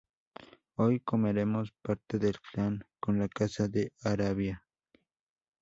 Hoy comeremos parte del clan en la casa de Arabial